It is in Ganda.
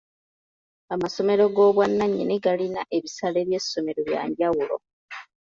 Amasomero g'obwannannyini galina ebisale by'essomero bya njawulo.